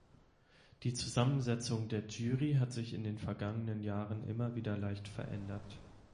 Die Zusammensetzung der Jury hat sich in den vergangenen Jahren immer wieder leicht verändert.